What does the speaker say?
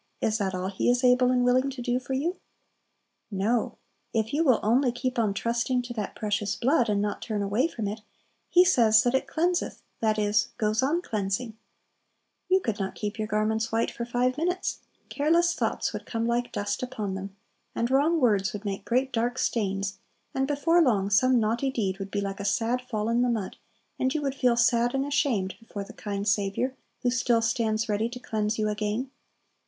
is that all He is able and willing to do for you? No; if you will only keep on trusting to that precious blood, and not turn away from it, He says that it cleanseth, that is, goes on cleansing. You could not keep your garments white for five minutes; careless thoughts would come like dust upon them, and wrong words would make great dark stains and before long some naughty deed would be like a sad fall in the mud, and you would feel sad and ashamed before the kind Saviour who still stands ready to cleanse you again.